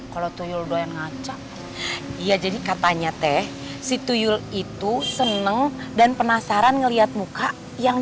kalau tuyul doyan ngacak ya jadi katanya teh si tuyul itu seneng dan penasaran ngeliat muka yang